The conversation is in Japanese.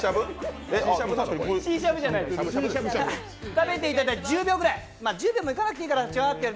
食べていただいて１０秒ぐらい、１０秒もいかなくていいかな。